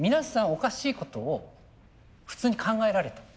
おかしいことを普通に考えられてる。